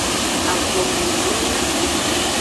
Avome nunana.